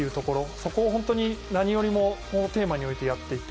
そこを本当に、何よりもテーマに置いてやっていて。